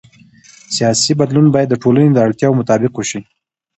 سیاسي بدلون باید د ټولنې د اړتیاوو مطابق وشي